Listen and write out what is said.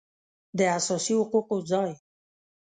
داساسي حقوقو ځای